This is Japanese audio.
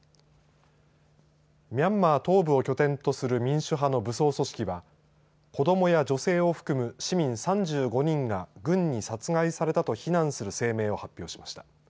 ミャンマー東部を拠点とする民主派の武装組織は子どもや女性を含む市民３５人が軍に殺害されたと非難する声明を発表しました。